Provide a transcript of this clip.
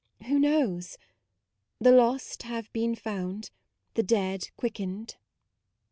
Who knows? the lost have been found, the dead quick 74 MAUDE ened."